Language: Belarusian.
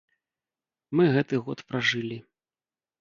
Мы гэты год пражылі.